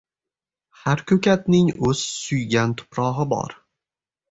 Har ko'katning o'z suygan tuprog'i bor.